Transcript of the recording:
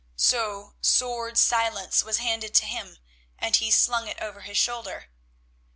So sword Silence was handed to him, and he slung it over his shoulder.